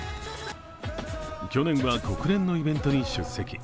去年は国連のイベントに出席。